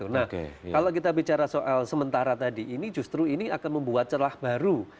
nah kalau kita bicara soal sementara tadi ini justru ini akan membuat celah baru